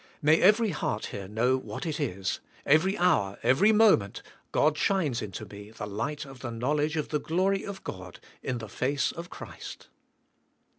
May every heart here know what it is; every hour, every moment, God shines into me the light of the knowledge of the glory of God in the face of Christ.